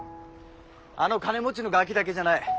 あの金持ちのガキだけじゃない。